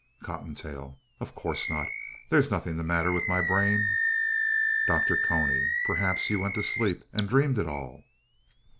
COTTONTAIL Of course not. There's nothing the matter with my brain. DR. CONY Perhaps you went to sleep and dreamed it all.